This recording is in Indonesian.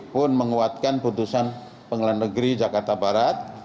pun menguatkan putusan pengadilan negeri jakarta barat